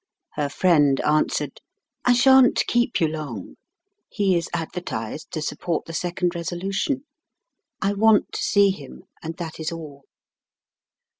Her friend answered, "I sha'n't keep you long. He is advertised to support the second resolution; I want to see him, and that is all."